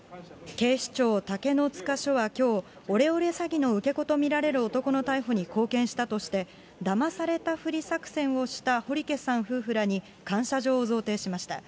警視庁竹の塚署はきょう、オレオレ詐欺の受け子と見られる男の逮捕に貢献したとして、だまされたふり作戦をした堀家さん夫婦らに、感謝状を贈呈しました。